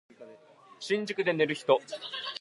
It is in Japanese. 新宿で寝る人